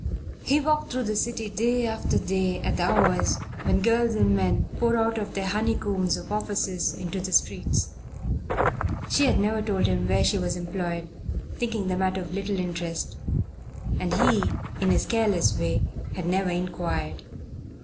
He walked through the city day after day at the hours when girls and men pour out of their honeycombs of offices into the streets. She had never told him where she was employed, thinking the matter of little interest; and he, in his careless way, had never inquired.